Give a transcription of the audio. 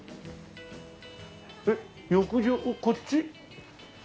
えっ浴場こっち？